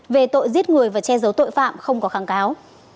về tội giết người và che giấu tội phạm không có kháng cáo